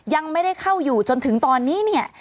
ยังไม่ได้เข้าอยู่จนถึงตอนนี้เนี่ย